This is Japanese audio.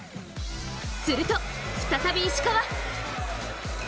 すると、再び石川。